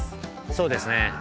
◆そうですね。